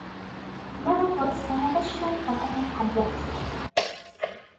Maɣef ur as-tennid acemma i Ferḥat n At Ɛebbas?